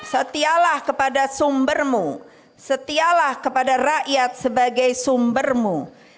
setialah kepada sumbermu setialah kepada rakyat sebagai sumbermu